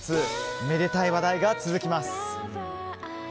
めでたい話題が続きます。